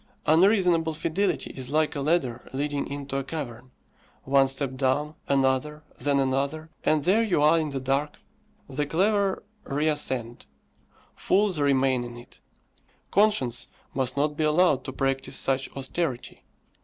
Unreasonable fidelity is like a ladder leading into a cavern one step down, another, then another, and there you are in the dark. The clever reascend; fools remain in it. Conscience must not be allowed to practise such austerity.